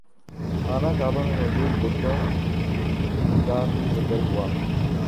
خانہ کعبہ میں موجود بتوں کا بھی ذکر ہوا